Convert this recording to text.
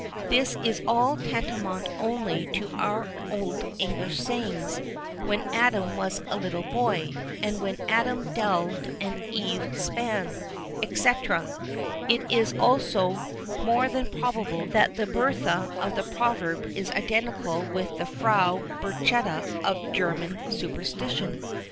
This is all tantamount only to our old English sayings, "When Adam was a little boy," and "When Adam delved and Eve span," &c. It is also more than probable that the Bertha of the proverb is identical with the Frau Berchta of German superstition.